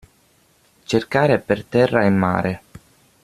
Cercare per terra e mare.